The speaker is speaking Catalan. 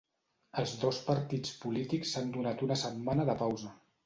Els dos partits polítics s'han donat una setmana de pausa